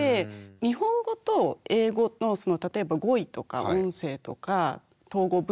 日本語と英語の例えば語彙とか音声とか統語文法ですね。